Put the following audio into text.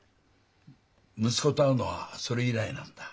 息子と会うのはそれ以来なんだ。